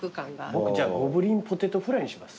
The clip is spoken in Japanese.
僕じゃあゴブリン・ポテトフライにします。